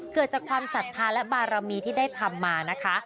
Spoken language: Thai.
เกิดจากความศรัทธาและบารมีที่ได้ทำมานะคะ